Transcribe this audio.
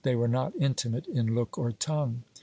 They were not intimate in look or tongue.